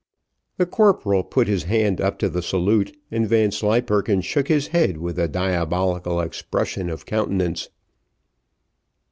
The corporal put his hand up to the salute, and Vanslyperken shook his head with a diabolical expression of countenance.